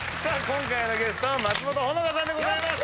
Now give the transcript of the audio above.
今回のゲストは松本穂香さんでございます。